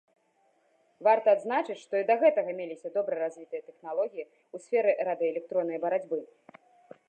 Варта адзначыць, што і да гэтага меліся добра развітыя тэхналогіі ў сферы радыёэлектроннай барацьбы.